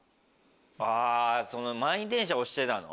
あぁ満員電車押してたの？